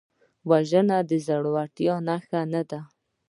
وژنه د زړورتیا نښه نه ده